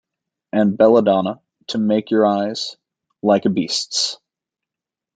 '...and belladonna, to make your eyes like a...beast's!